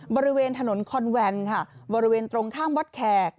บริเวณถนนคอนแวนค่ะบริเวณตรงข้ามวัดแขก